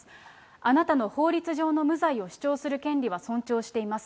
あなたの法律上の無罪を主張する権利は尊重しています。